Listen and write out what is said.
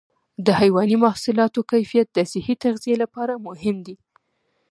د حيواني محصولاتو کیفیت د صحي تغذیې لپاره مهم دی.